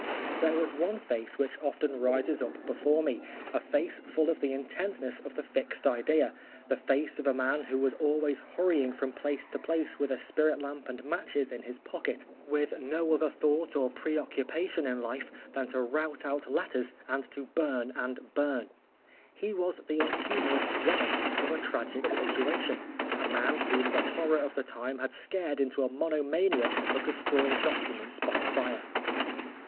There was one face which often rises up before me, a face full of the intentness of the fixed idea, the face of a man who was always hurrying from place to place with a spirit lamp and matches in his pocket, with no other 164 Oscar Wilde thought nor preoccupation in life than to rout out letters and to burn and burn. He was the unhumorous Wemmick of a tragic situation, a man whom the horror of the time had scared into a monomania of destroying documents by fire.